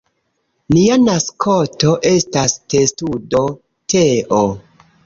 Nia maskoto estas testudo Teo.